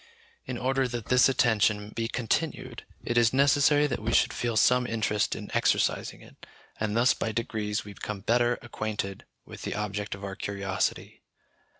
In order that this attention be continued, it is necessary that we should feel some interest in exercising it, and thus by degrees we become better acquainted with the object of our curiosity.